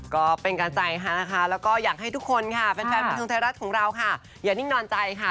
ก็เป็นการใจค่ะนะคะแล้วก็อยากให้ทุกคนค่ะแฟนบันเทิงไทยรัฐของเราค่ะอย่านิ่งนอนใจค่ะ